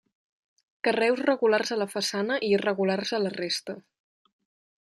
Carreus regulars a la façana i irregulars a la resta.